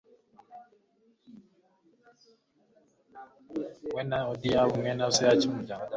we na ohodiyabu mwene ahisamaki, wo mu muryango wa dani